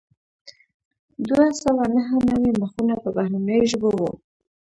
دوه سوه نهه نوي مخونه په بهرنیو ژبو وو.